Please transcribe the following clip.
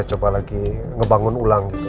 coba lagi ngebangun ulang gitu